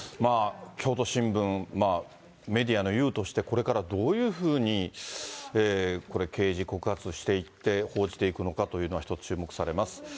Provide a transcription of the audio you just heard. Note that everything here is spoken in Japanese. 京都新聞、メディアの雄として、これからどういうふうに、これ、刑事告発していって、報じていくのかというのが一つ注目されます。